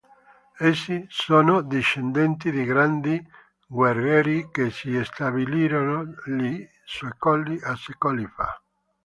Essi sono discendenti di grandi guerrieri che si stabilirono lì secoli e secoli fa.